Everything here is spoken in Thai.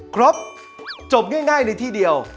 ครบจบง่ายในที่เดียว